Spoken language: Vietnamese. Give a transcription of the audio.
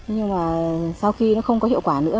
nhưng mà sau khi nó không có hiệu quả